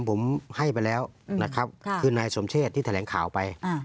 ผมให้ไปแล้วนะครับคือนายสมเชษที่แถลงข่าวไป